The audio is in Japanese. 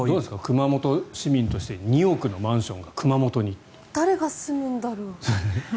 熊本市民として２億のマンションが誰が住むんだろう？